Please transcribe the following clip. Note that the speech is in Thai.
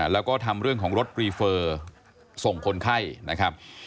แล้วก็ทำเรื่องของรถรีเฟอร์ส่งคนไข้นะครับ